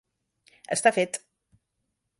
Està fet.